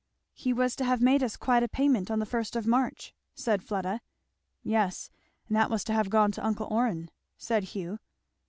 "He was to have made us quite a payment on the first of March," said Fleda. "Yes, and that was to have gone to uncle Orrin," said Hugh.